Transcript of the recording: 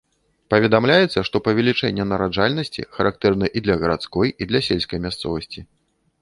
Паведамляецца, што павелічэнне нараджальнасці характэрна і для гарадской, і для сельскай мясцовасці.